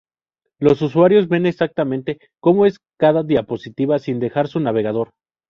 Los usuarios ven exactamente como es cada diapositiva sin dejar su navegador.